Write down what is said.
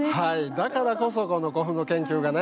だからこそこの古墳の研究がね